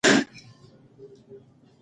هغه سړی شقیه دی چې عدالت نه کوي.